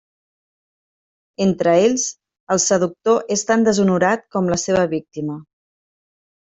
Entre ells, el seductor és tan deshonorat com la seva víctima.